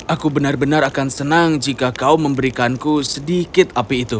aku benar benar akan senang jika kau memberikanku sedikit api itu